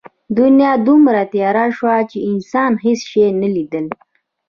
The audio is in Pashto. دنیا دومره تیاره شوه چې انسان هېڅ شی نه لیدل.